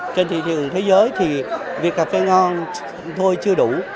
trên thị trường thế giới thì việc cà phê ngon thôi chưa đủ